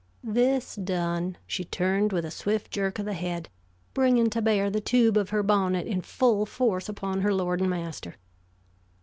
This done, she turned with a swift jerk of the head, bringing to bear the tube of her bonnet in full force upon her lord and master.